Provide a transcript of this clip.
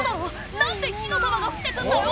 何で火の玉が降って来んだよ」